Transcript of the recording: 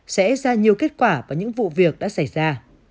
sẽ ra nhiều kết quả và những vụ việc đã xảy ra